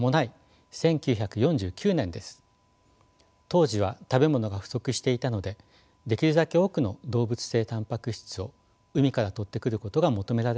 当時は食べ物が不足していたのでできるだけ多くの動物性タンパク質を海からとってくることが求められました。